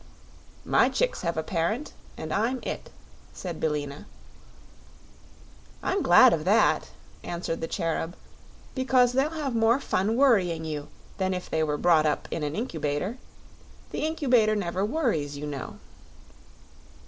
"My chicks have a parent, and I'm it," said Billina. "I'm glad of that," answered the Cherub, "because they'll have more fun worrying you than if they were brought up in an Incubator. The Incubator never worries, you know."